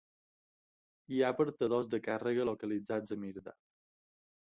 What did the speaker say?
Hi ha apartadors de càrrega localitzats a Myrdal.